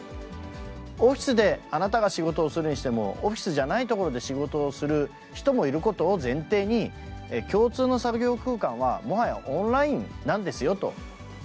オフィスであなたが仕事をするにしても、オフィスじゃない所で仕事をする人もいることを前提に、共通の作業空間は、もはやオンラインなんですよと。